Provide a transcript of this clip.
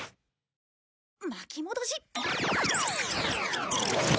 巻き戻し。